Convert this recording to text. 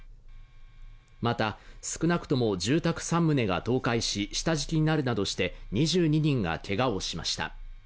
また、少なくとも住宅３棟が倒壊し、下敷きになるなどして２２人がけがをしました。